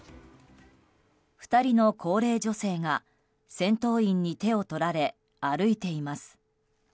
２人の高齢女性が戦闘員に手を取られ歩いています。